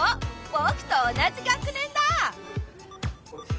ぼくと同じ学年だ！